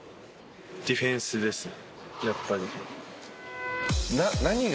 ディフェンスですねやっぱり。